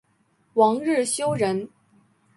王日休人。